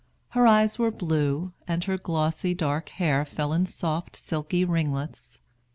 Her eyes were blue, and her glossy dark hair fell in soft, silky ringlets.